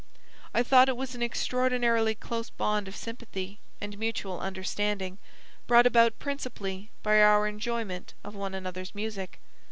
I thought it was an extraordinarily close bond of sympathy and mutual understanding, brought about principally by our enjoyment of one another's music.